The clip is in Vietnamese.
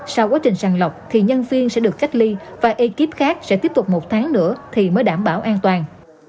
sau quá trình sàng lọc thì nhân viên sẽ được cách ly và ekip khác sẽ tiếp tục một tháng nữa thì mới đảm bảo an toàn